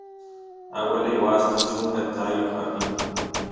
aguelay waasta chunka taayoq apin